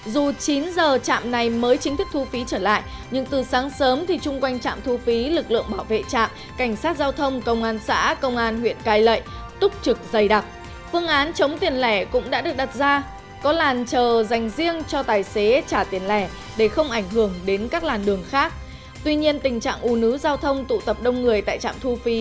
tuy nhiên tình trạng ưu nứ giao thông tụ tập đông người tại trạm thu phí